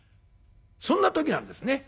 そんな時なんですね。